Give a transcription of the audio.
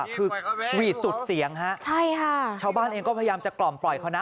คือหวีดสุดเสียงฮะใช่ค่ะชาวบ้านเองก็พยายามจะกล่อมปล่อยเขานะ